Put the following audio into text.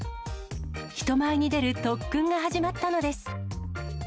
人前に出る特訓が始まったのです。